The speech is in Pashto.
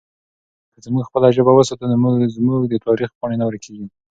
که موږ خپله ژبه وساتو نو زموږ د تاریخ پاڼې نه ورکېږي.